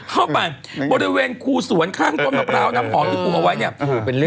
เข้าไปบริเวณคูสวนข้างต้นมะพร้าวน้ำหอมที่ปลูกเอาไว้เนี่ย